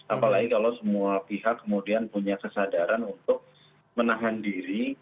apalagi kalau semua pihak kemudian punya kesadaran untuk menahan diri